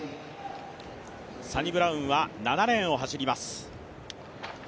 サニブラウンは７レーンを走ります。